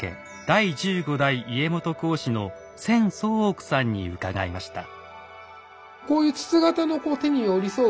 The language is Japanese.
第十五代家元後嗣の千宗屋さんに伺いました。